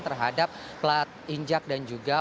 terhadap plat injak dan juga